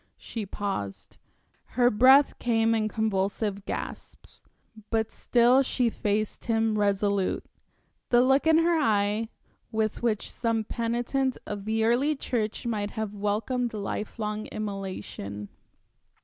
She paused, her breath came in convulsive gasps, but still she faced him resolute, the look in her eyes with which some penitent of the early church might have welcomed lifelong immolation.